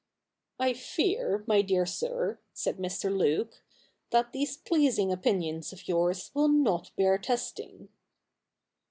' I fear, my dear sir," said Mr. Luke, ' that these pleasing opinions of yours will not bear testing.'